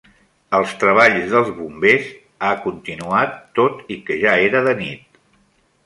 Els treballs dels bombers ha continuat tot i que ja era de nit.